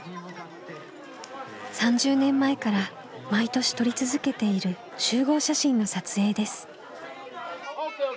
３０年前から毎年撮り続けている集合写真の撮影です。